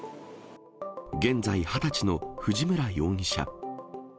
現在２０歳の藤村容疑者。